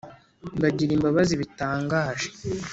bagira imbabazi bitangaje